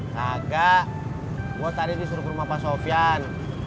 kagak gue tadi disuruh rumah pak sofyan